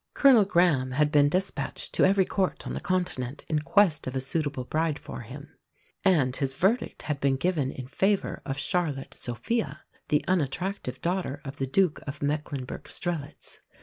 Colonel Graeme had been despatched to every Court on the Continent, in quest of a suitable bride for him; and his verdict had been given in favour of Charlotte Sophia, the unattractive daughter of the Duke of Mecklenburg Strelitz.